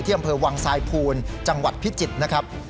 อำเภอวังทรายภูลจังหวัดพิจิตรนะครับ